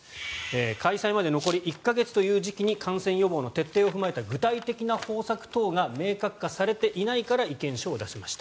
開催まで残り１か月という時期に感染予防の徹底を踏まえた具体的な方策等が明確化されていないから意見書を出しました。